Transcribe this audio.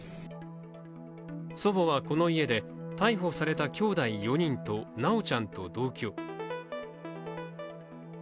祖母はこの家で、逮捕されたきょうだい４人と修ちゃんと同居。